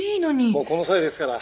もうこの際ですから。